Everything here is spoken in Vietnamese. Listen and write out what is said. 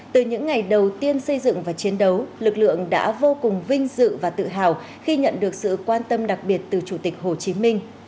từ những ngày đầu tiên xây dựng và chiến đấu lực lượng đã vô cùng vinh dự và tự hào khi nhận được sự quan tâm đặc biệt từ chủ tịch hồ chí minh